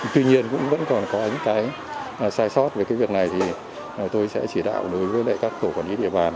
tuy nhiên cũng vẫn còn có những cái sai sót về cái việc này thì tôi sẽ chỉ đạo đối với các tổ quản lý địa bàn